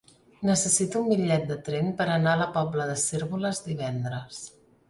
Necessito un bitllet de tren per anar a la Pobla de Cérvoles divendres.